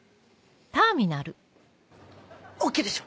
ＯＫでしょ？